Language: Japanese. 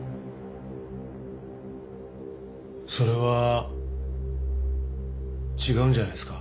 それは違うんじゃないですか？